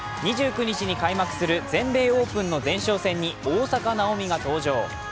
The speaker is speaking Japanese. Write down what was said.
２９日に開幕する全米オープンの前哨戦に大坂なおみが登場。